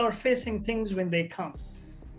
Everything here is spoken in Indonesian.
mereka menghadapi hal hal ketika mereka datang